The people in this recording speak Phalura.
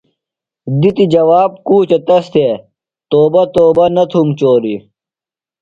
دِتیۡ جواب کوچہ تس تھےۡ، توبہ توبہ نہ تُھوم چوریۡ